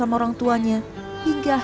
apalagi itu untuk anak anak